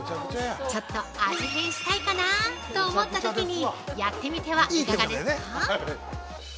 ちょっと味変したいかなぁと思ったときにやってみてはいかがですか？